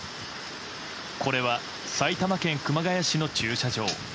これは埼玉県熊谷市の駐車場。